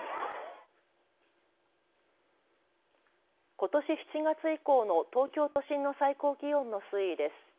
ことし７月以降の東京都心の最高気温の推移です。